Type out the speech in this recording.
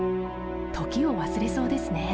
時を忘れそうですね。